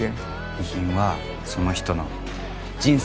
遺品はその人の人生ですから。